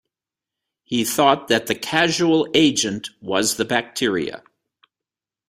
He thought that the causal agent was the bacteria.